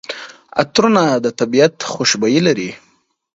عطرونه د طبیعت خوشبويي لري.